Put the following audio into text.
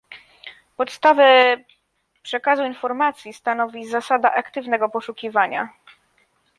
Podstawę przekazu informacji stanowi zasada aktywnego poszukiwania